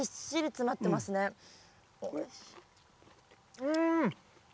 うん！